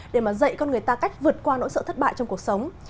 để mà dạy con người ta cách vượt qua nỗi sợ thất bại trong cuộc sống